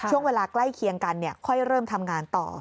ช่วงเวลาใกล้เคียงกันค่อยเริ่มทำงานต่อ